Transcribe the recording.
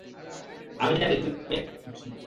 আমি জানি, তুমি এখানে কেন এসেছো?